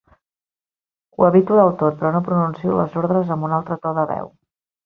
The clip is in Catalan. Ho evito del tot, però no pronuncio les ordres amb un altre to de veu.